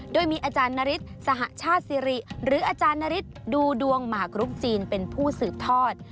โดยมีอาจารย์นฤทธิสหชาติสิริหรืออาจารย์นฤทธิ์ดูดวงหมากรุกจีนเป็นผู้สืบทอด